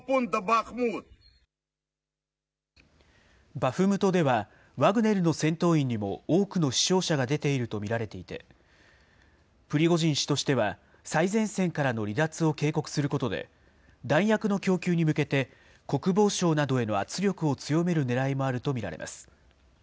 バフムトではワグネルの戦闘員にも多くの死傷者が出ていると見られていて、プリゴジン氏としては、最前線からの離脱を警告することで、弾薬の供給に向けて国防省などへの圧力を強めるねらいもあると見られます。